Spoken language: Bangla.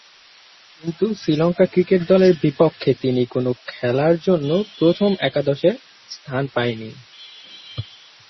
কিন্তু শ্রীলঙ্কা ক্রিকেট দলের বিপক্ষে তিনি কোন খেলার জন্য প্রথম একাদশে স্থান পাননি।